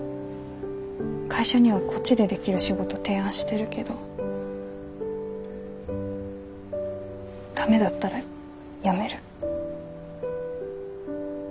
会社にはこっちでできる仕事提案してるけど駄目だったら辞める。